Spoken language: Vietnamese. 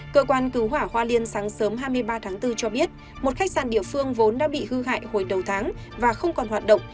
cơ quan cứu hỏa hoa liên sáng sớm hai mươi ba tháng bốn cho biết một khách sạn địa phương vốn đã bị hư hại hồi đầu tháng và không còn hoạt động